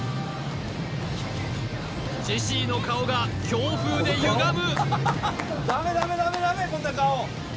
ジェシーの顔が強風でゆがむ！